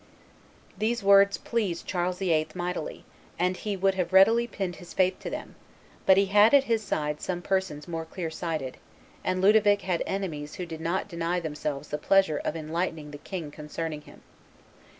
These words pleased Charles VIII. mightily, and he would have readily pinned his faith to them; but he had at his side some persons more clear sighted, and Ludovic had enemies who did not deny themselves the pleasure of enlightening the king concerning him.